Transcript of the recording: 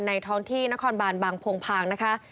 ท้องที่นครบานบางโพงพางนะคะ